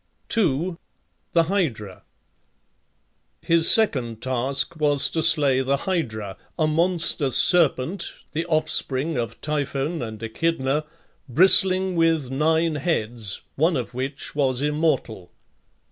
2. THE HYDRA. His second task was to slay the Hydra, a monster serpent (the offspring of Typhon and Echidna), bristling with nine heads, one of which was immortal.